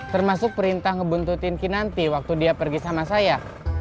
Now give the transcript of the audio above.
termasuk perintah ngebuntutin kinanti waktu dia pergi sama saya